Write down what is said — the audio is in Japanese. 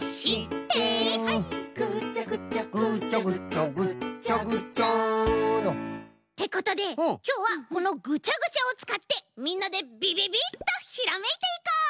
「ぐちゃぐちゃぐちゃぐちゃぐっちゃぐちゃ」てことできょうはこのぐちゃぐちゃをつかってみんなでビビビッとひらめいていこう！